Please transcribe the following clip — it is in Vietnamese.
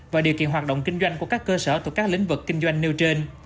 và điều kiện hoạt động kinh doanh của các cơ sở thuộc các lĩnh vực kinh doanh nêu trên